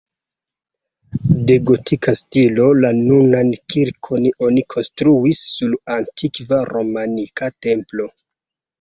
De gotika stilo, la nunan kirkon oni konstruis sur antikva romanika templo.